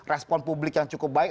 respon publik yang cukup baik